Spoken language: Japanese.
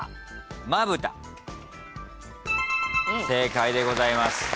正解でございます。